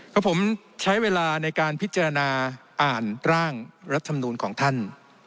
กับผมใช้เวลาในการพิจารณาอ่านร่างรัฐมนูลของท่าน